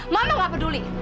mama gak peduli